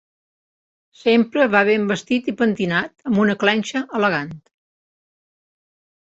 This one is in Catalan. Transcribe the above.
Sempre va ben vestit i pentinat amb una clenxa elegant.